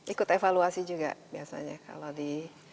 ikut evaluasi juga biasanya kalau di